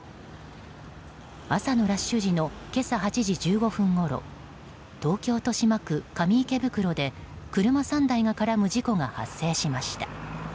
朝のラッシュ時の今朝８時１５分ごろ東京・豊島区上池袋で車３台が絡む事故が発生しました。